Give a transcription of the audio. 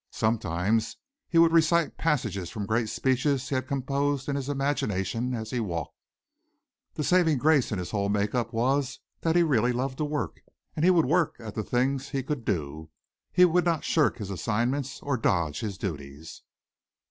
Sometimes he would recite passages from great speeches he had composed in his imagination as he walked. The saving grace in his whole make up was that he really loved to work and he would work at the things he could do. He would not shirk his assignments or dodge his duties.